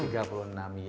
tiga puluh enam ya benar